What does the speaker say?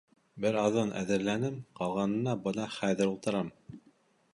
— Бер аҙын әҙерләнем, ҡалғанына бына хәҙер ултырам.